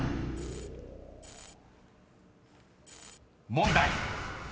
［問題］